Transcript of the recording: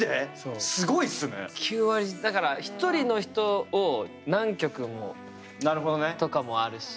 だから１人の人を何曲もとかもあるし。